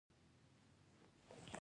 زردالو د پسرلي خوږ یاد دی.